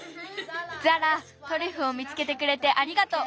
ザラトリュフを見つけてくれてありがとう。